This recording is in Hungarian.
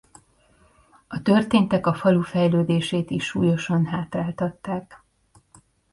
A történtek a falu fejlődését is súlyosan hátráltatták.